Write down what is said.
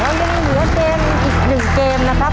แล้วยังมีเหลือเต็มอีก๑เกมนะครับ